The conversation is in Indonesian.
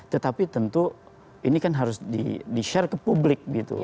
tetapi tentu ini kan harus di share ke publik gitu